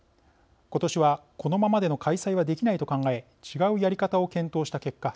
今年はこのままでの開催はできないと考え違うやり方を検討した結果